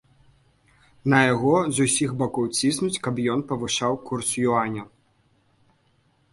На яго з усіх бакоў ціснуць, каб ён павышаў курс юаня.